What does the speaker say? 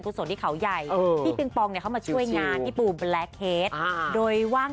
พี่ปิ๊งปอง